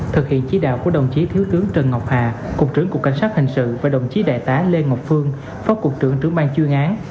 thực hiện chỉ đạo của đồng chí thiếu tướng trần ngọc hà cục trưởng cục cảnh sát hình sự và đồng chí đại tá lê ngọc phương phó cục trưởng trưởng ban chuyên án